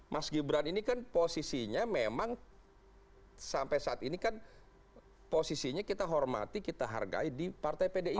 mas gibran ini kan posisinya memang sampai saat ini kan posisinya kita hormati kita hargai di partai pdip